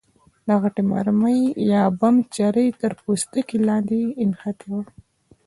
د غټې مرمۍ یا بم چره یې تر پوستکي لاندې نښتې وه.